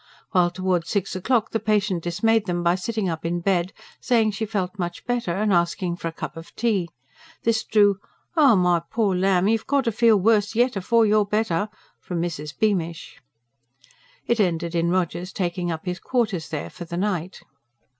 While towards six o'clock the patient dismayed them by sitting up in bed, saying she felt much better, and asking for a cup of tea. This drew: "Ah, my pore lamb, you've got to feel worse yet afore you're better!" from Mrs. Beamish. It ended in Rogers taking up his quarters there, for the night.